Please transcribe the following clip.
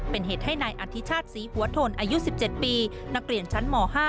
เป็นเหตุให้นายอธิชาติศรีหัวทนอายุ๑๗ปีนักเรียนชั้นม๕